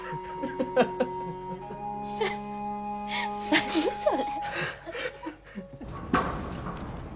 何それ。